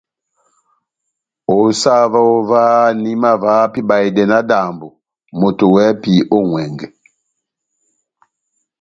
Ó sah óvah, nahimavaha pɛhɛ ibahedɛ náhádambɔ, moto wɛ́hɛ́pi ó ŋʼwɛngɛ !